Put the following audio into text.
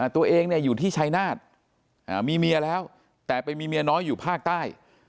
ตัวเองอยู่ที่ชายนาฏมีเมียแล้วแต่ไปมีเมียน้อยอยู่ภาคใต้